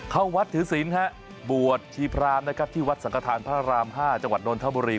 เข้าวัดถือสินบวชชีพรามที่วัดสังกฐานพระราม๕จังหวัดนทบรี